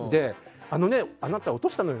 「あのね落としたのよ